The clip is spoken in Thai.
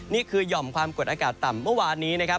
หย่อมความกดอากาศต่ำเมื่อวานนี้นะครับ